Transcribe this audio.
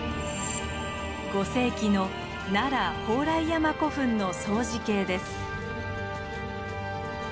５世紀の奈良・宝来山古墳の相似形です。